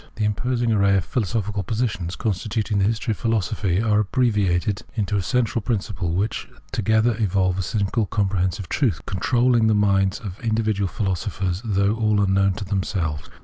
The imposing array of philosophical positions, constituting the History of Philosophy, are abbreviated into central principles, which together evolve a single comprehensive truth controlling the minds of the individual philoso phers, though all unknown to themselves.